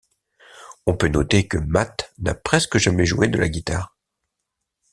On peut noter que Matt n'a presque jamais joué de la guitare.